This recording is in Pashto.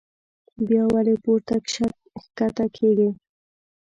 بيا ولې پورته کښته کيږي